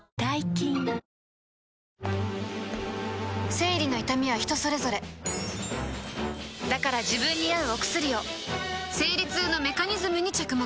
生理の痛みは人それぞれだから自分に合うお薬を生理痛のメカニズムに着目